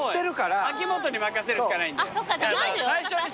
秋元に任せるしかないんだよ。